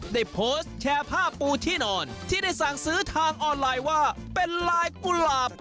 ได้โพสต์แชร์ผ้าปูที่นอนที่ได้สั่งซื้อทางออนไลน์ว่าเป็นลายกุหลาบ